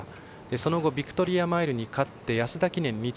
その後ヴィクトリアマイルに勝って安田記念２着。